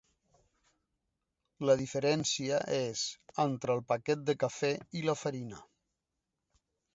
La diferència és entre el paquet de cafè i la farina.